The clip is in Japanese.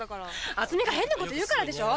あつみが変なこと言うからでしょう。